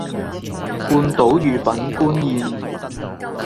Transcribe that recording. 半島御品官燕